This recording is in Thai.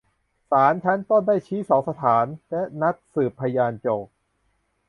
ศาลชั้นต้นได้ชี้สองสถานและนัดสืบพยานโจทก์